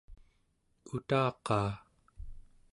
utaqaa